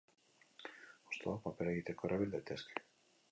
Hostoak papera egiteko erabil daitezke.